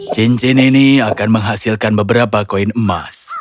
cincin ini akan menghasilkan beberapa koin emas